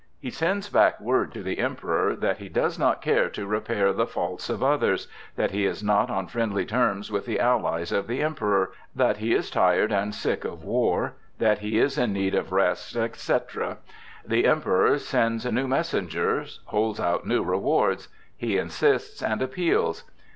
He sends back word to the Emperor that he does not care to repair the faults of others; that he is not on friendly terms with the allies of the Emperor; that he is tired and sick of war; that he is in need of rest, etc. The Emperor sends new messengers, holds out new rewards. He insists and appeals.